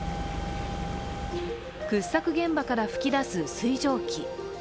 掘削現場から噴き出す水蒸気。